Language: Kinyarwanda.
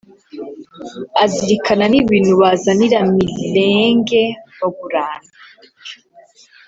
azirikana n’ibintu bazanira Mirenge bagurana.